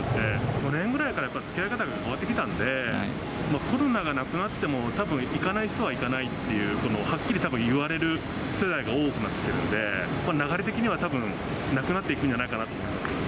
去年ぐらいからつきあい方が変わってきたんで、コロナがなくなっても、たぶん、行かない人は行かないっていう、このはっきりたぶん、いわれる世代が多くなってきてるんで、流れ的にはたぶん、なくなっていくんじゃないかなと思います。